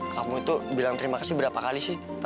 kamu itu bilang terima kasih berapa kali sih